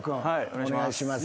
お願いします。